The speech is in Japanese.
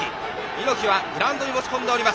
猪木はグラウンドに持ち込んでおります。